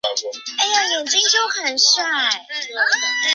主沟小口子沟北侧有寺。